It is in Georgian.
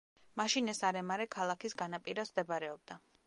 მაშინ ეს არემარე ქალაქის განაპირას მდებარეობდა.